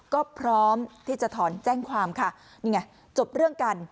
ก็พร้อมที่จะถอนแจ้งความค่ะนี่ไงจบเรื่องกัน